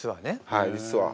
はい実は。